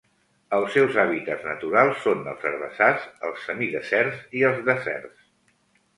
Els seus hàbitats naturals són els herbassars, els semideserts i els deserts.